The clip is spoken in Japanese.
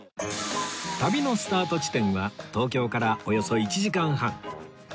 旅のスタート地点は東京からおよそ１時間半